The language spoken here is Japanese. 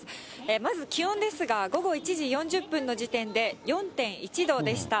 まず気温ですが、午後１時４０分の時点で時点で４．１度でした。